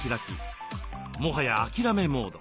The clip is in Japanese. もはや諦めモード。